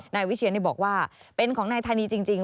นายวิเชียนบอกว่าเป็นของนายธานีจริง